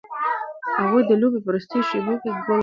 هغوی د لوبې په وروستیو شیبو کې ګول وکړ.